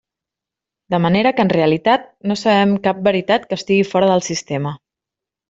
De manera que en realitat, no sabem cap veritat que estigui fora del sistema.